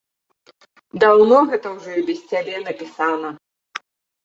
Даўно гэта ўжо і без цябе напісана.